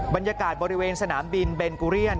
บรรยากาศบริเวณสนามบินเบนกุเรียน